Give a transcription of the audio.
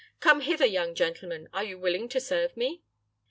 Come hither, young gentleman. Are you willing to serve me?"